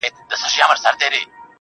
• چي په كالو بانـدې زريـــن نه ســـمــه.